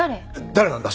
誰なんだ？